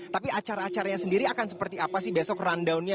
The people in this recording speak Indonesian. tapi acara acaranya sendiri akan seperti apa sih besok rundownnya